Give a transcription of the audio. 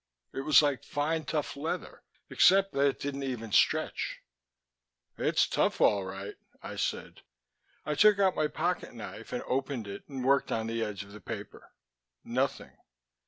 It was like fine, tough leather, except that it didn't even stretch. "It's tough, all right," I said. I took out my pocket knife and opened it and worked on the edge of the paper. Nothing.